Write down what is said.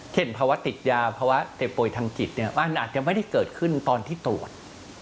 ภาวะติดยาภาวะเจ็บป่วยทางจิตเนี่ยมันอาจจะไม่ได้เกิดขึ้นตอนที่ตรวจ